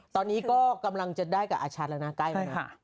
ตอนนี้ก็กำลังใจได้กับอาชัตริย์เลยครับ